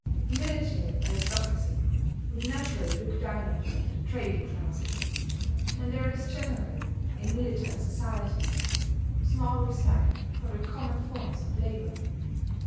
A military aristocracy would naturally look down upon the trading classes; and there is generally, in militant societies, small respect for the common forms of labour.